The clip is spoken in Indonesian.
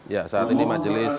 ya saat ini majelis